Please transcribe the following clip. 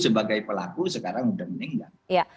sebagai pelaku sekarang sudah meninggal